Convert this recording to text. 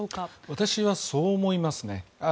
私はそう思いますね。